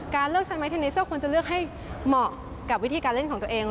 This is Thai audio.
เลือกใช้ไม้เทนนิเซอร์ควรจะเลือกให้เหมาะกับวิธีการเล่นของตัวเอง